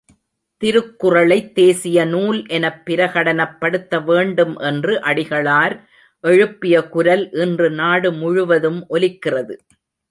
திருக்குறளைத் தேசிய நூல் எனப் பிரகடனப்படுத்த வேண்டும் என்று அடிகளார் எழுப்பிய குரல் இன்று நாடு முழுவதும் ஒலிக்கிறது.